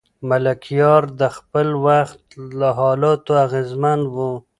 ملکیار د خپل وخت له حالاتو اغېزمن و.